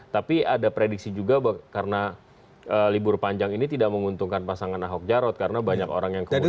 tapi ada prediksi juga karena libur panjang ini tidak menguntungkan pasangan ahok jarot karena banyak orang yang kemudian